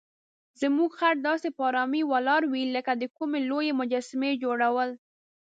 زموږ خر داسې په آرامۍ ولاړ وي لکه د کومې لویې مجسمې جوړول.